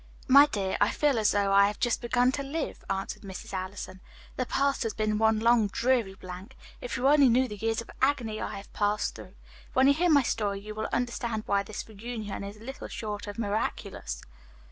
"My dear, I feel as though I had just begun to live," answered Mrs. Allison. "The past has been one long dreary blank. If you only knew the years of agony I have passed through. When you hear my story you will understand why this reunion is little short of miraculous.